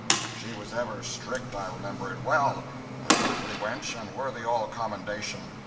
"She was ever strict I remember it well a goodly wench and worthy all commendation.